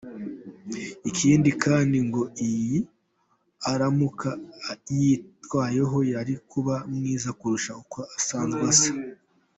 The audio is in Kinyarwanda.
Ikindi kandi ngo iyo aramuka yiyitayeho yari kuba mwiza kurusha uko asanzwe asa.